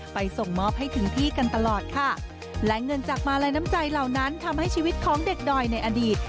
ส่งมอบให้ถึงพี่กันตลอดค่ะและเงินจากมาลัยน้ำใจเหล่านั้นทำให้ชีวิตของเด็กดอยในอดีต